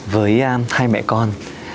với hai mẹ con